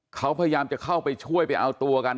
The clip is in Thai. เขาพยายามจะเข้าไปช่วยไปเอาตัวกัน